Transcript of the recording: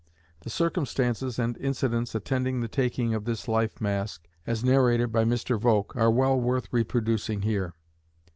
The circumstances and incidents attending the taking of this life mask, as narrated by Mr. Volk, are well worth reproducing here.